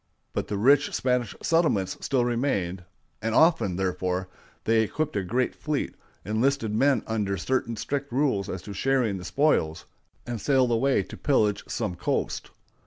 But the rich Spanish settlements still remained; and often, therefore, they equipped a great fleet, enlisted men under certain strict rules as to sharing the spoils, and sailed away to pillage some coast.